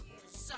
main lagi ya